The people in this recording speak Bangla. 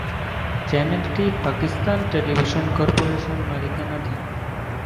চ্যানেলটি পাকিস্তান টেলিভিশন কর্পোরেশন মালিকানাধীন।